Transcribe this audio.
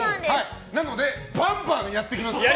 なので、バンバンやっていきます。